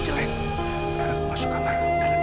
jangan lagi jangan lagi seterus